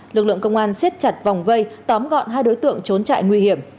lực lượng công an siết chặt vòng vây tóm gọn hai đối tượng trốn trại nguy hiểm